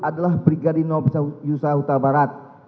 adalah brigadino yusah huta barat